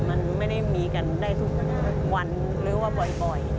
มันไม่ได้มีกันได้ทุกวันหรือว่าปล่อย